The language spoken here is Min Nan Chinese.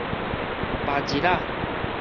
別日仔